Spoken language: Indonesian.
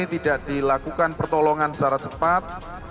tidak dilakukan pertolongan secara cepat